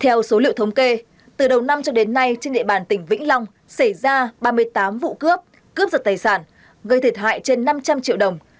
theo số liệu thống kê từ đầu năm cho đến nay trên địa bàn tỉnh vĩnh long xảy ra ba mươi tám vụ cướp cướp giật tài sản gây thiệt hại trên năm trăm linh triệu đồng